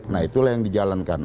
nah itulah yang dijalankan